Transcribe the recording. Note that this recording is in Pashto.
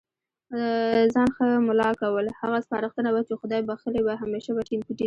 ځان ښه مُلا کول، هغه سپارښتنه وه چي خدای بخښلي به هميشه په ټينګار